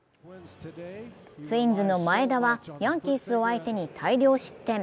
ツインズの前田はヤンキースを相手に大量失点。